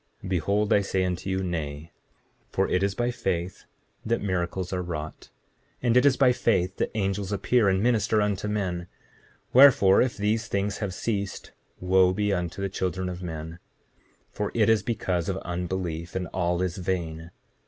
7:37 Behold I say unto you, Nay; for it is by faith that miracles are wrought; and it is by faith that angels appear and minister unto men; wherefore, if these things have ceased wo be unto the children of men, for it is because of unbelief, and all is vain.